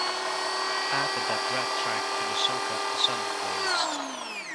Add the da brat track to the Soak Up The Sun playlist.